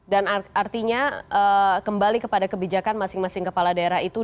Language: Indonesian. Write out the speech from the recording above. dan artinya kembali kepada kebijakan masing masing kepala daerah itu